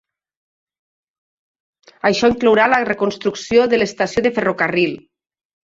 Això inclourà la reconstrucció de l'estació de ferrocarril.